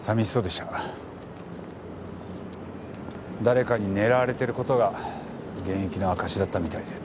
誰かに狙われてる事が現役の証しだったみたいで。